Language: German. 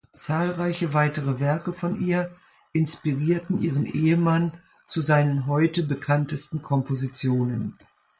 Zahlreiche weitere Werke von ihr inspirierten ihren Ehemann zu seinen heute bekanntesten Kompositionen.